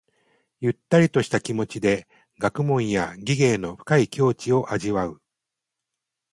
ゆったりとした気持ちで学問や技芸の深い境地を味わう。